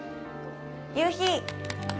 夕日。